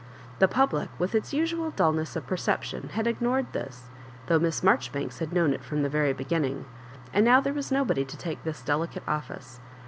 The public, with its usual dulness of peroeption, had ignored this, though Miai Marjoribanks had known it from the very beginning, and now there was nobody to take this delicate office.